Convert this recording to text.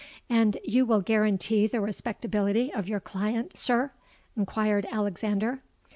'—'And you will guarantee the respectability of your client, sir?' enquired Alexander.